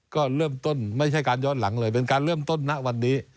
ก็เริ่มต้นไม่ใช่การย้อนหลังเลยเป็นการเริ่มต้นณวันนี้